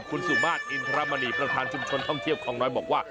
มีเรื่องจริงคุณสุมาร์ทอินทรมานีประธานชุมชนท่องเที่ยวของน้อยบอกว่า